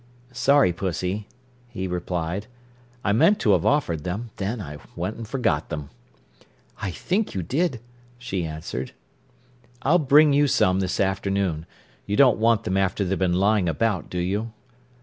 "Sorry, Pussy," he replied. "I meant to have offered them; then I went and forgot 'em." "I think you did," she answered. "I'll bring you some this afternoon. You don't want them after they've been lying about, do you?"